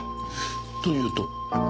と言うと？